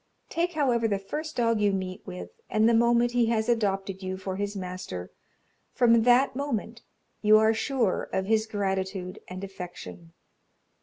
Take, however, the first dog you meet with, and the moment he has adopted you for his master, from that moment you are sure of his gratitude and affection.